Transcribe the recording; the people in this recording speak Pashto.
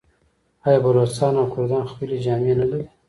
آیا بلوڅان او کردان خپلې جامې نلري؟